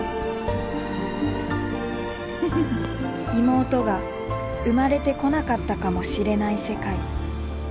妹が生まれてこなかったかもしれない世界。